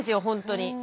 本当に。